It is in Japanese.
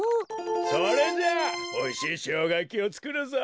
それじゃあおいしいショウガやきをつくるぞ！